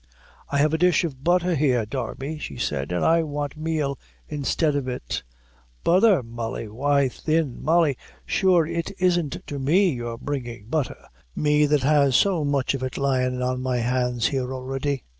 "I have a dish of butther here, Darby," she said, "an' I want meal instead of it." "Butther, Molly; why thin, Molly, sure it isn't to me you're bringing butther me that has so much of it lyin' on my hands here already.